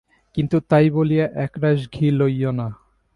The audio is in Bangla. কিন্তু তাই বলিয়া একরাশ ঘি লইয়ো না।